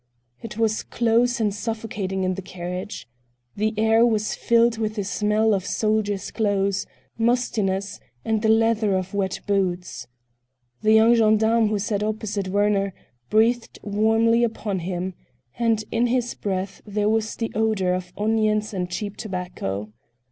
It was close and suffocating in the carriage. The air was filled with the smell of soldiers' clothes, mustiness, and the leather of wet boots. The young gendarme who sat opposite Werner breathed warmly upon him, and in his breath there was the odor of onions and cheap tobacco.